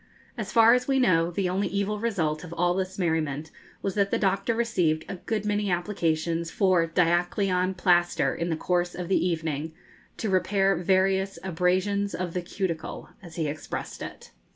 As far as we know the only evil result of all this merriment was that the doctor received a good many applications for diachylon plaster in the course of the evening, to repair various 'abrasions of the cuticle,' as he expressed it.